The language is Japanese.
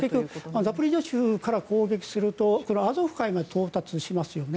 ザポリージャ州から攻撃するとアゾフ海に到達しますよね。